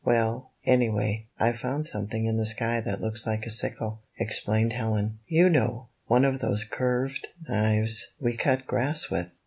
''Well, anyway, I've found something in the sky that looks like a sickle," explained Helen. "You know, one of those curved knives we cut gi^ass with."